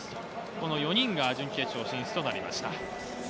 この４人が準決勝進出となりました。